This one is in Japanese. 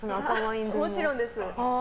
もちろんです。